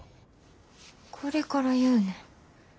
これから言うねん。